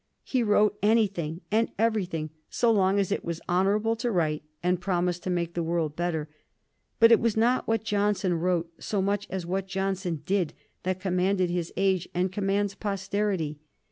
He wrote anything and everything so long as it was honorable to write and promised to make the world better. But it was not what Johnson wrote so much as what Johnson did that commanded his age and commands posterity.